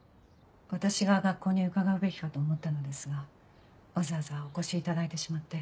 私が学校に伺うべきかと思ったのですがわざわざお越しいただいてしまって。